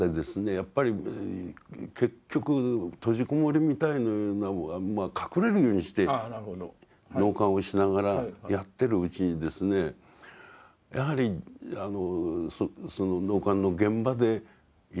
やっぱり結局閉じこもりみたいな隠れるようにして納棺をしながらやってるうちにですねやはりその納棺の現場でいろんな出会いに会うわけですね。